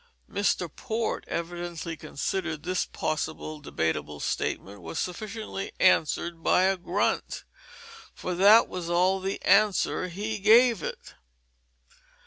Mr. Port evidently considered that this possibly debatable statement was sufficiently answered by a grunt, for that was all the answer he gave it.